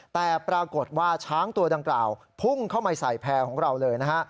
แต่ปรากฏว่าช้างตัวดังกล่าวพุ่งเข้ามาใส่แพร่ของเราเลยนะฮะ